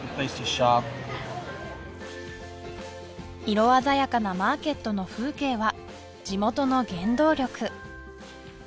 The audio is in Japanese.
色鮮やかなマーケットの風景は地元の原動力